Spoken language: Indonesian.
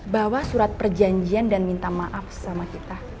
bawa surat perjanjian dan minta maaf sama kita